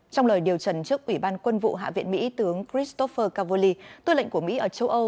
trong lời điều trần trước ủy ban quân vụ hạ viện mỹ tướng christopher cavoli tư lệnh của mỹ ở châu âu